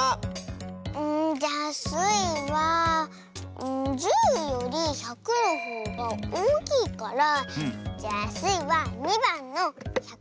んじゃあスイは１０より１００のほうがおおきいからじゃあスイは２ばんのひゃくえんだま！